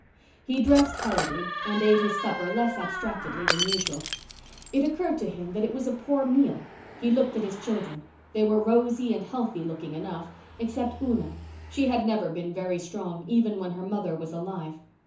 He dressed hurriedly and ate his supper less abstractedly than usual. It occurred to him that it was a poor meal. He looked at his children; they were rosy and healthy looking enough—except Una, and she had never been very strong even when her mother was alive.